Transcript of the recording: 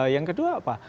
yang kedua apa